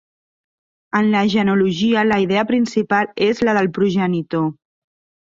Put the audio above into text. En la genealogia la idea principal és la de progenitor.